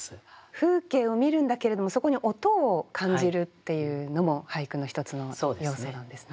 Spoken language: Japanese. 風景を見るんだけれどもそこに音を感じるっていうのも俳句の一つの要素なんですね。